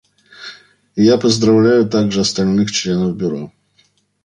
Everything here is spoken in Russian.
Я поздравляю также остальных членов Бюро.